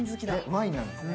ワインなんですね。